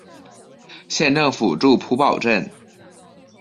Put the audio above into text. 县政府驻普保镇。